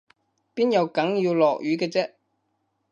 邊有梗要落雨嘅啫？